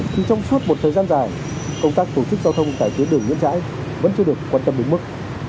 thì trong suốt một thời gian dài công tác tổ chức giao thông tại tuyến đường nguyễn trãi vẫn chưa được quan tâm đến mức